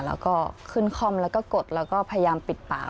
แล้วก็ขึ้นค่อมแล้วก็กดแล้วก็พยายามปิดปาก